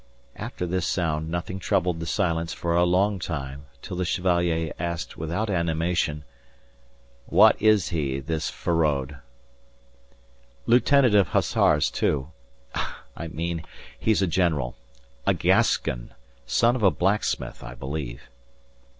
After this sound nothing troubled the silence for a long time till the Chevalier asked without animation: "What is he this Feraud?" "Lieutenant of Hussars, too I mean he's a general. A Gascon. Son of a blacksmith, I believe."